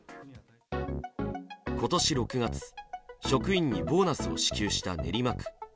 今年６月、職員にボーナスを支給した練馬区。